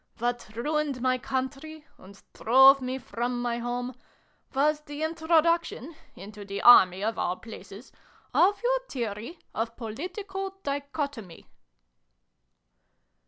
What ruined my country, and drove me from my home, was the introduction into the Army, of all places of your theory of Political Dichotomy